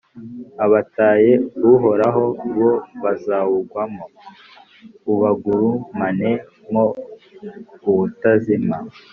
Abataye Uhoraho bo bazawugwamo, ubagurumanemo ubutazima;